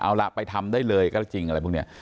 เอาล่ะไปทำได้เลยก็จริงอะไรพวกนี้